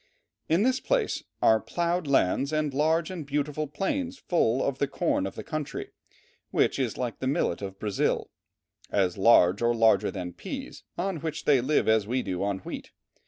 In this place are "ploughed lands and large and beautiful plains full of the corn of the country, which is like the millet of Brazil, as large or larger than peas, on which they live as we do on wheat.